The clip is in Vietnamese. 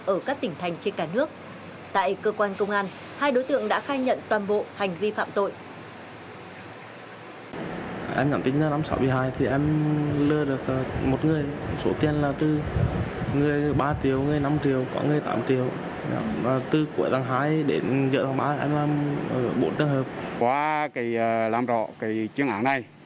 ở các tỉnh thành trên cả nước tại cơ quan công an hai đối tượng đã khai nhận toàn bộ hành vi phạm tội